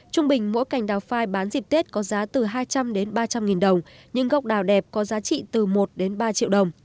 trung bình mỗi cành đào phai bán dịp tết có giá từ hai trăm linh đến ba trăm linh nghìn đồng những gốc đào đẹp có giá trị từ một đến ba triệu đồng